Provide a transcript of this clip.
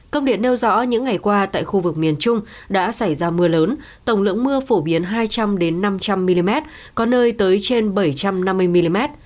công điện nêu rõ những ngày qua tại khu vực miền trung đã xảy ra mưa lớn tổng lượng mưa phổ biến hai trăm linh năm trăm linh mm có nơi tới trên bảy trăm năm mươi mm